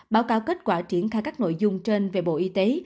báo cáo kết quả triển khai các nội dung trên về bộ y tế